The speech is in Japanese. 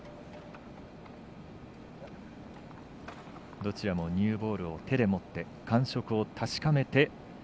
どちらもニューボールを手で持って感触を確かめて。